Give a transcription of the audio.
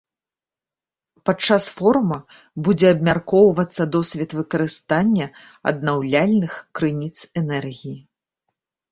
Падчас форума будзе абмяркоўвацца досвед выкарыстання аднаўляльных крыніц энергіі.